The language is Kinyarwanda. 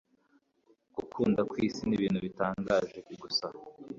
Gukunda kwisi ni ibintu bitangaje gusa